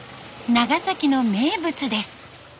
長崎の名物です。